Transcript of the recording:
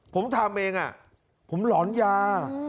ผมทำเองผมหลอนยา